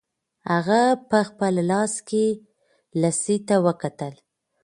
هغه په خپل لاس کې لسی ته وکتل.